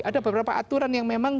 ada beberapa aturan yang memang